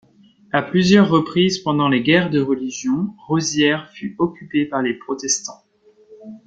À plusieurs reprises pendant les guerres de Religion, Rosières fut occupée par les protestants.